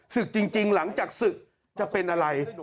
ศึกจริงหลังจากศึกจะเป็นอะไร